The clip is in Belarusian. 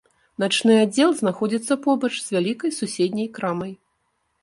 Начны аддзел знаходзіцца побач з вялікай суседняй крамай.